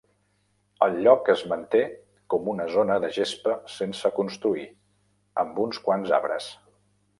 El lloc es manté com una zona de gespa sense construir, amb uns quants arbres.